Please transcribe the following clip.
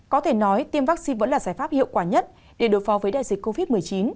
có thể nói tiêm vaccine vẫn là giải pháp hiệu quả nhất để đối phó với đại dịch covid một mươi chín